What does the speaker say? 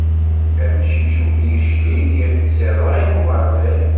Amcic ur d-yeclig seg ṛṛay n uɣerday.